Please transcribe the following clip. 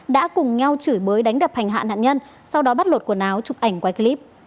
đã cùng nhau chửi bới đánh đập hành hạ nạn nhân sau đó bắt lột quần áo chụp ảnh quay clip